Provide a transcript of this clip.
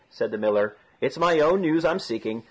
said the miller. "It's my own news I'm seeking.